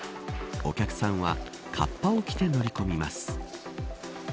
お客さんはカッパを着て乗り込みます。